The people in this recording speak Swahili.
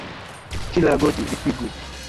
Kila goti lipigwe.